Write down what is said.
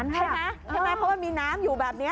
ใช่ไหมใช่ไหมเพราะมันมีน้ำอยู่แบบนี้